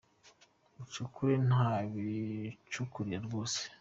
Mucukure nk’abicukurira rwose